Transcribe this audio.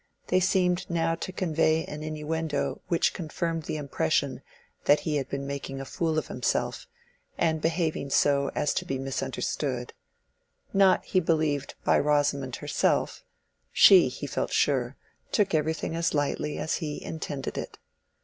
They seemed now to convey an innuendo which confirmed the impression that he had been making a fool of himself and behaving so as to be misunderstood: not, he believed, by Rosamond herself; she, he felt sure, took everything as lightly as he intended it.